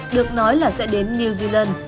được nói là sẽ đến new zealand